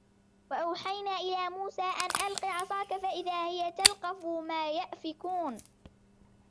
وَأَوْحَيْنَا إِلَى مُوسَى أَنْ أَلْقِ عَصَاكَ فَإِذَا هِيَ تَلْقَفُ مَا يَأْفِكُونَ